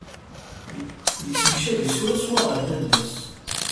Yettemcabi swaswa ɣer dadda-s.